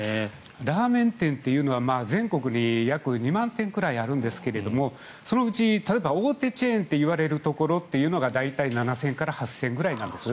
ラーメン店というのは全国に約２万店ぐらいあるんですけどそのうち例えば、大手チェーンといわれるところというのが大体７０００から８０００ぐらいなんです。